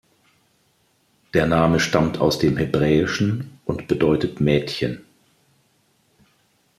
Der Name stammt aus dem Hebräischen und bedeutet "Mädchen".